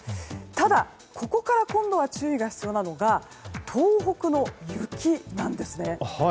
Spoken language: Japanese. ただ、ここから今度注意が必要なのが東北の雪なんです。